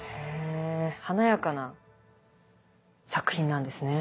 へ華やかな作品なんですね。